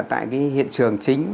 tại hiện trường chính